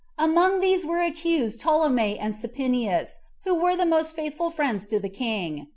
Among these were accused Ptolemy and Sapinnius, who were the most faithful friends to the king.